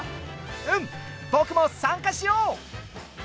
うん、僕も参加しよう。